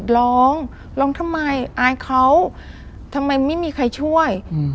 ร้องร้องทำไมอายเขาทำไมไม่มีใครช่วย